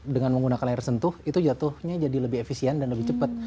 dengan menggunakan layar sentuh itu jatuhnya jadi lebih efisien dan lebih cepat